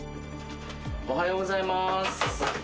おはようございます。